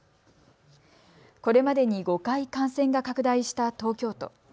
これまでに５回、感染が拡大した東京都。